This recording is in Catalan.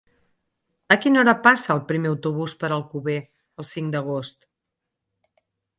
A quina hora passa el primer autobús per Alcover el cinc d'agost?